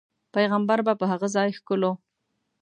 پیغمبر به په هغه ځاې ښکلو.